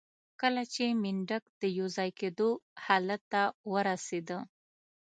کله چې منډک د يوځای کېدو حالت ته ورسېده.